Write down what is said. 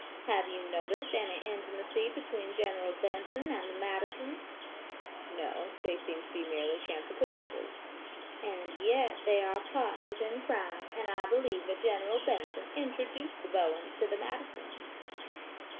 Have you noticed any intimacy between General Benson and the Madisons?" "No; they seem to be merely chance acquaintances." "And yet, they are partners in crime, and I believe that General Benson introduced the Bowens to the Madisons."